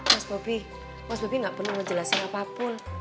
mas bobi mas bobi gak penuh menjelaskan apapun